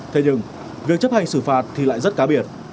thế nhưng việc chấp hành xử phạt thì lại rất cá biệt